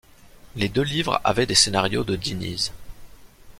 Les deux livres avaient des scénarios de Diniz.